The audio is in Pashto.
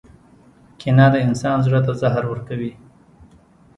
• کینه د انسان زړۀ ته زهر ورکوي.